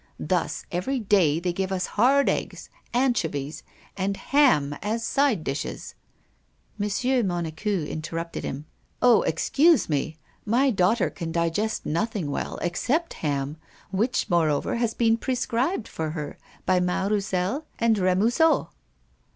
Thus, every day, they give us hard eggs, anchovies, and ham as side dishes " M. Monecu interrupted him: "Oh! excuse me! My daughter can digest nothing well except ham, which, moreover has been prescribed for her by Mas Roussel and Remusot."